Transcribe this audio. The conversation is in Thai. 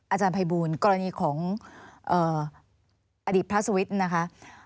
อาจารย์ภัยบูลกรณีของอดีตพระสวิทย์นะคะ